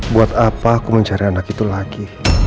buat apa aku mencari lagi